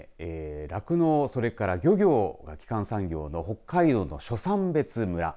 酪農それから漁業が基幹産業の北海道の初山別村。